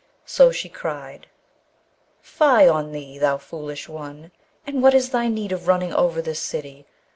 So she cried, 'Fie on thee, thou foolish one! and what is thy need of running over this city?